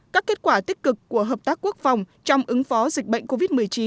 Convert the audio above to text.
các kết quả tích cực của hợp tác quốc phòng trong ứng phó dịch bệnh covid một mươi chín